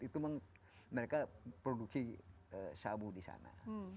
itu mereka produksi sabu di sana